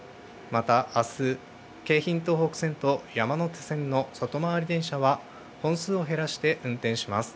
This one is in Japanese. またあす、京浜東北線と山手線の外回り電車は、本数を減らして運転します。